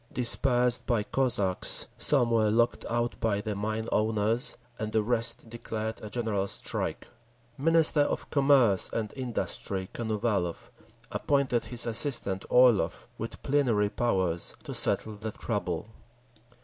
Dispersed by Cossacks, some were locked out by the mine owners, and the rest declared a general strike. Minister of Commerce and Industry Konovalov appointed his assistant, Orlov, with plenary powers, to settle the trouble.